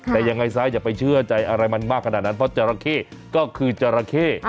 แต่ยังไงซะอย่าไปเชื่อใจอะไรมันมากขนาดนั้นเพราะจราเข้ก็คือจราเข้